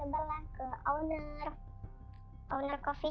pemilik kedai kopi